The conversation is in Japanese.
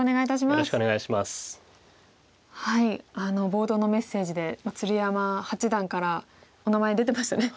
冒頭のメッセージで鶴山八段からお名前出てましたね。